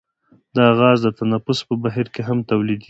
دا غاز د تنفس په بهیر کې هم تولیدیږي.